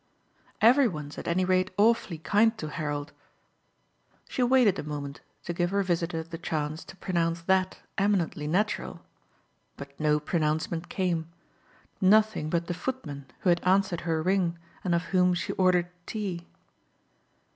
"Every one's at any rate awfully kind to Harold." She waited a moment to give her visitor the chance to pronounce that eminently natural, but no pronouncement came nothing but the footman who had answered her ring and of whom she ordered tea.